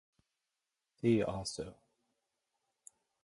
"See also": Compis.